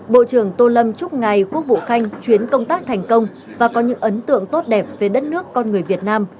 bộ trưởng tô lâm chúc ngài quốc vụ khanh chuyến công tác thành công và có những ấn tượng tốt đẹp về đất nước con người việt nam